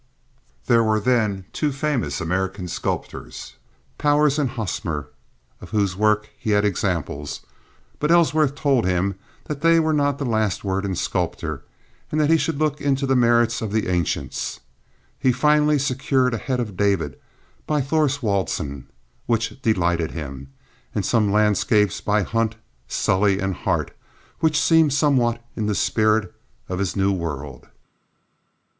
There were then two famous American sculptors, Powers and Hosmer, of whose work he had examples; but Ellsworth told him that they were not the last word in sculpture and that he should look into the merits of the ancients. He finally secured a head of David, by Thorwaldsen, which delighted him, and some landscapes by Hunt, Sully, and Hart, which seemed somewhat in the spirit of his new world.